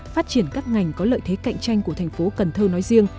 phát triển các ngành có lợi thế cạnh tranh của thành phố cần thơ nói riêng